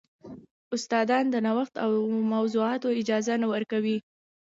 استادان د نوښت او موضوعاتو اجازه نه ورکوي.